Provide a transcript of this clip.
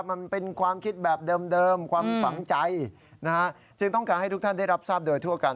มันเป็นความคิดแบบเดิมความฝังใจนะฮะจึงต้องการให้ทุกท่านได้รับทราบโดยทั่วกัน